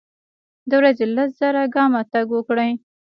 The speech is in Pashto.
د ورځي لس زره ګامه تګ وکړئ.